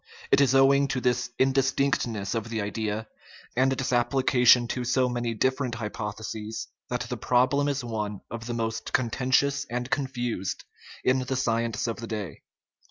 It is owing to this indis tinctness of the idea, and its application to so many different hypotheses, that the problem is one of the most contentious and confused of the science of the day.